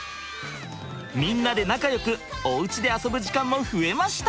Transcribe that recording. みんなで仲よくおうちで遊ぶ時間も増えました！